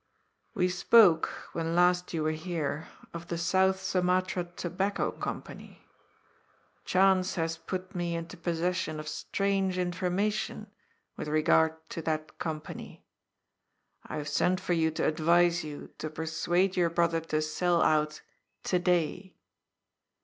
We spoke, when last you were here, of the South Sumatra Tobacco Company. Chance las put me into possession of strange information with regard to that company. I have sent for you to advise you to persuade your brother to sell out to day."